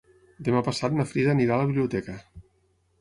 Demà passat na Frida anirà a la biblioteca.